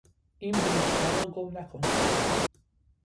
این بلیطها را گم نکن!